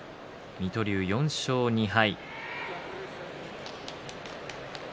水戸龍、４勝２敗。